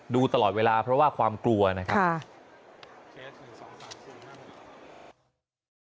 ดูตลอดเวลาเพราะว่าความกลัวนะครับ